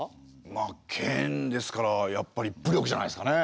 まあ剣ですからやっぱり武力じゃないですかね。